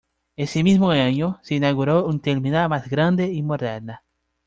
Ese mismo año, se inauguró una terminal más grande y moderna.